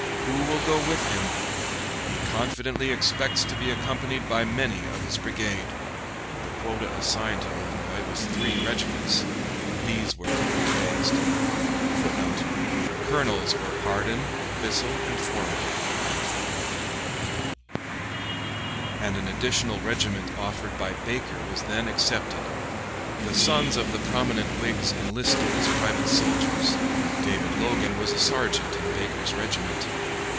Who will go with him? He confidently expects to be accompanied by many of his brigade." The quota assigned to Illinois was three regiments; these were quickly raised, [Footnote: The colonels were Hardin, Bissell, and Forman.] and an additional regiment offered by Baker was then accepted. The sons of the prominent Whigs enlisted as private soldiers; David Logan was a sergeant in Baker's regiment.